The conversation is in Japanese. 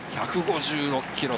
１５６キロ。